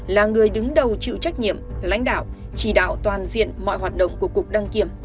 là người đứng đầu chịu trách nhiệm lãnh đạo chỉ đạo toàn diện mọi hoạt động của cục đăng kiểm